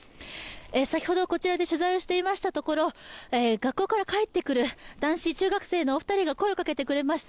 先ほどこちらで取材をしていましたところ、学校から帰ってくる男子中学生のお二人が声をかけてくれました。